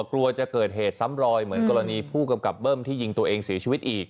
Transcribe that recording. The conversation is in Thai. กลัวจะเกิดเหตุซ้ำรอยเหมือนกรณีผู้กำกับเบิ้มที่ยิงตัวเองเสียชีวิตอีก